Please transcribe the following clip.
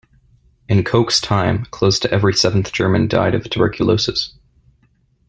In Koch's time, close to every seventh German died of tuberculosis.